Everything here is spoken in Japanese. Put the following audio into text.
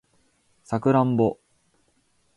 サクランボ